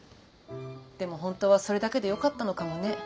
でも本当はそれだけでよかったのかもね。